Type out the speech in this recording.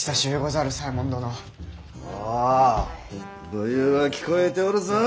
武勇は聞こえておるぞ。